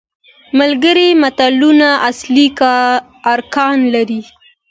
ملګري ملتونه اصلي ارکان لري.